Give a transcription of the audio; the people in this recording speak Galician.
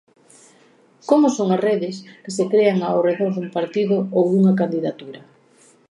Como son as redes que se crean ao redor dun partido ou dunha candidatura?